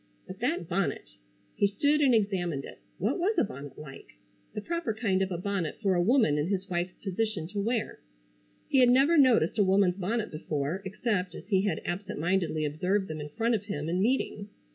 But that bonnet! He stood and examined it. What was a bonnet like? The proper kind of a bonnet for a woman in his wife's position to wear. He had never noticed a woman's bonnet before except as he had absent mindedly observed them in front of him in meeting.